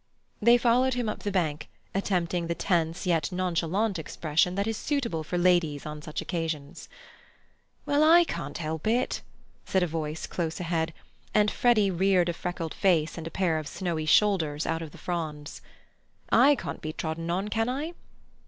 They followed him up the bank attempting the tense yet nonchalant expression that is suitable for ladies on such occasions. "Well, I can't help it," said a voice close ahead, and Freddy reared a freckled face and a pair of snowy shoulders out of the fronds. "I can't be trodden on, can I?"